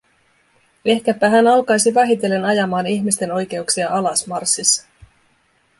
Ehkäpä hän alkaisi vähitellen ajamaan ihmisten oikeuksia alas Marssissa.